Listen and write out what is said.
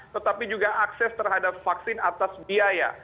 tetapi juga akses terhadap vaksin atas biaya